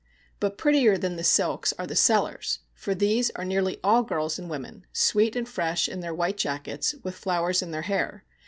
But prettier than the silks are the sellers, for these are nearly all girls and women, sweet and fresh in their white jackets, with flowers in their hair.